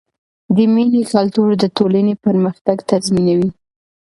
د مینې کلتور د ټولنې پرمختګ تضمینوي.